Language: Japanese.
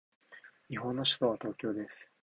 日本の首都は東京です。